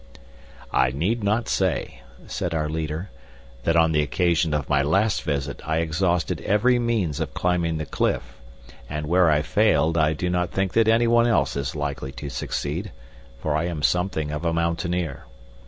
"I need not say," said our leader, "that on the occasion of my last visit I exhausted every means of climbing the cliff, and where I failed I do not think that anyone else is likely to succeed, for I am something of a mountaineer.